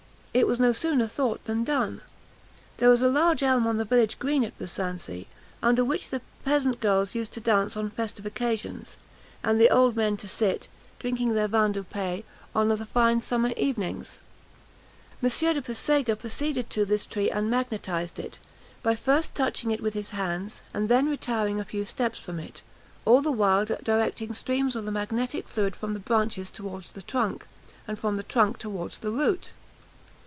It was no sooner thought than done. There was a large elm on the village green at Busancy, under which the peasant girls used to dance on festive occasions, and the old men to sit, drinking their vin du pays, on the fine summer evenings. M. de Puysegur proceeded to this tree and magnetised it, by first touching it with his hands, and then retiring a few steps from it; all the while directing streams of the magnetic fluid from the branches toward the trunk, and from the trunk toward the root.